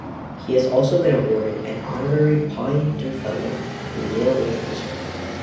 He has also been awarded an honorary Poynter Fellow from Yale University.